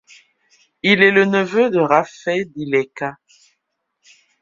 Il est le neveu de Raffè di Leca.